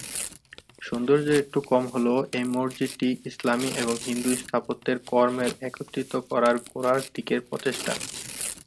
সৌন্দর্যে একটু কম হলেও, এই মসজিদটি ইসলামী এবং হিন্দু স্থাপত্যের কর্মের একত্রিত করার গোড়ার দিকের প্রচেষ্টা।